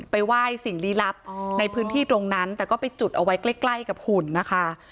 ไหว้สิ่งลี้ลับในพื้นที่ตรงนั้นแต่ก็ไปจุดเอาไว้ใกล้กับหุ่นนะคะ